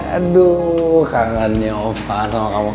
aduh kagannya ovan sama kamu